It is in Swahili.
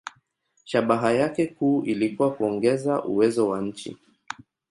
Shabaha yake kuu ilikuwa kuongeza uwezo wa nchi.